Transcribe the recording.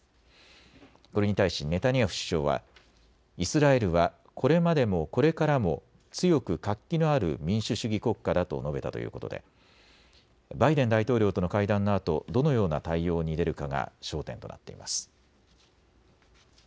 これに対しネタニヤフ首相はイスラエルはこれまでもこれからも強く活気のある民主主義国家だと述べたということでバイデン大統領との会談のあとどのような対応に出るかが焦点となっています。